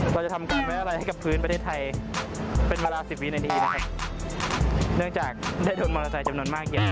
เราจะทำการไว้อะไรให้กับพื้นประเทศไทยเป็นเวลาสิบวินาทีนะครับเนื่องจากได้โดนมอเตอร์ไซค์จำนวนมากเยอะ